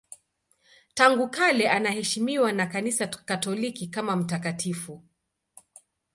Tangu kale anaheshimiwa na Kanisa Katoliki kama mtakatifu.